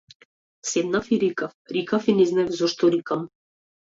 Седнав и рикав, рикав и не знаев зошто рикам.